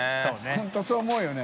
本当そう思うよね。